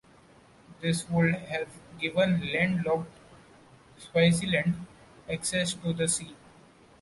This would have given land-locked Swaziland access to the sea.